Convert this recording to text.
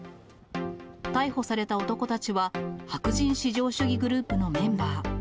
逮捕された男たちは、白人至上主義グループのメンバー。